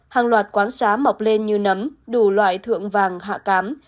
hàng loạt quán xá mọc lên như nấm đủ loại thượng vàng hạ cám